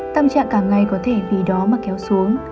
tâm trạng cả ngày có thể vì đó mà kéo xuống